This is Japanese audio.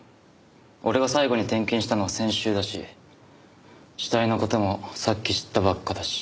俺が最後に点検したのは先週だし死体の事もさっき知ったばっかだし。